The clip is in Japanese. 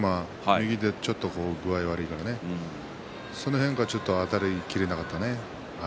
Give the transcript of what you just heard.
右だと具合が悪いからその辺があたりきれなかったね。